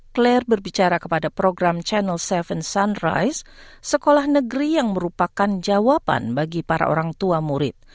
claire berbicara kepada program channel tujuh sunrise sekolah negeri yang merupakan jawaban bagi para orang tua murid